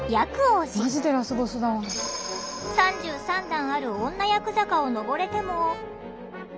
３３段ある女厄坂を上れても。